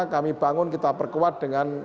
kami bangun kita perkuat dengan